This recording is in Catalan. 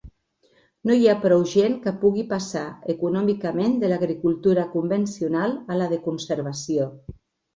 No hi ha prou gent que pugui passar econòmicament de l'agricultura convencional a la de conservació.